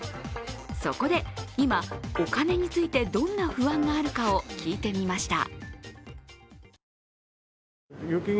そこで今、お金についてどんな不安があるかを聞いてみました。